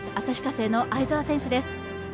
旭化成の相澤選手です。